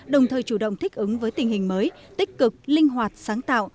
đồng thời chủ động thích ứng với tình hình mới tích cực linh hoạt sáng tạo